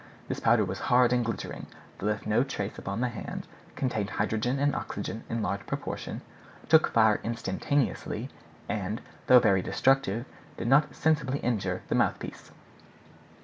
This powder was hard and glittering, left no trace upon the hand, contained hydrogen and oxygen in large proportion, took fire instantaneously, and, though very destructive, did not sensibly injure the mouth piece."